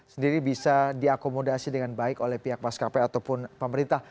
sendiri bisa diakomodasi dengan baik oleh pihak maskapai ataupun pemerintah